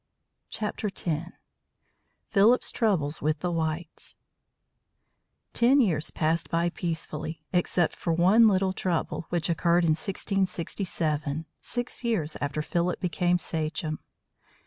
X. PHILIP'S TROUBLES WITH THE WHITES Ten years passed by peacefully, except for one little trouble, which occurred in 1667, six years after Philip became sachem.